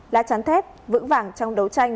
là trán thét vững vàng trong đấu tranh